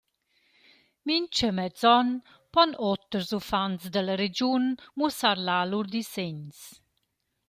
Mincha mez on pon oters uffants da la regiun muossar là lur disegns.